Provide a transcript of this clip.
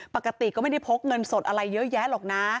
ปกติก็ไม่ได้พกเงินสดอะไรเยอะแยะหรอกนะ